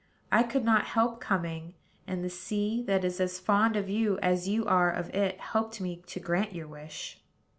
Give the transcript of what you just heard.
I could not help coming; and the sea, that is as fond of you as you are of it, helped me to grant your wish."